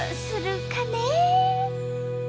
するかね？